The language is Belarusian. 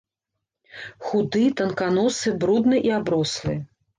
Худы, танканосы, брудны і аброслы.